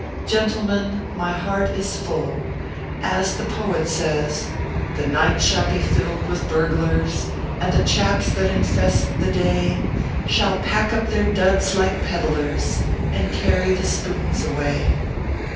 Gentlemen, my heart is full ; as the poet says :" The night shall be filled with burglars, And tho chaps that infest the day Shall pack up their duds like peddlers, And carry the spoons away."